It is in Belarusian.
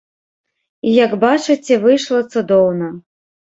І як бачыце, выйшла цудоўна.